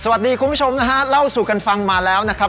คุณผู้ชมนะฮะเล่าสู่กันฟังมาแล้วนะครับ